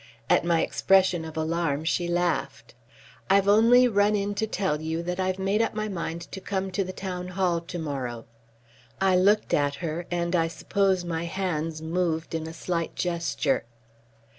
At my expression of alarm, she laughed. "I've only run in to tell you that I've made up my mind to come to the Town Hall tomorrow." I looked at her, and I suppose my hands moved in a slight gesture.